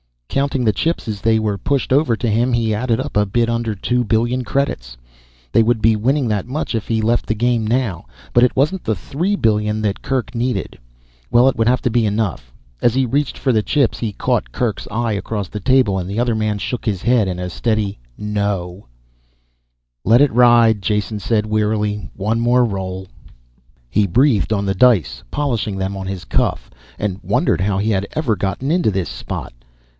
Counting the chips as they were pushed over to him he added up a bit under two billion credits. They would be winning that much if he left the game now but it wasn't the three billion that Kerk needed. Well, it would have to be enough. As he reached for the chips he caught Kerk's eye across the table and the other man shook his head in a steady no. "Let it ride," Jason said wearily, "one more roll." He breathed on the dice, polished them on his cuff, and wondered how he had ever gotten into this spot.